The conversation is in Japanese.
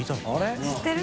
知ってる？